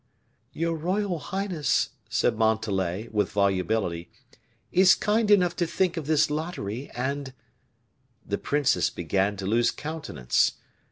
"Your royal highness," said Montalais, with volubility, "is kind enough to think of this lottery, and " The princess began to lose countenance.